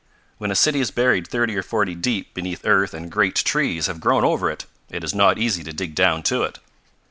When a city is buried thirty or forty feet deep beneath earth and great trees have grown over it, it is not easy to dig down to it."